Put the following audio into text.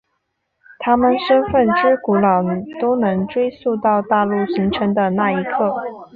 他们身份之古老能追溯到大陆形成的那一刻。